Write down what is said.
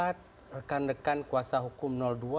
karena ini dapat rekan rekan kuasa hukum dua